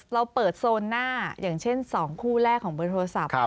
เราเปิดโซนหน้าอย่างเช่น๒คู่แรกของเบอร์โทรศัพท์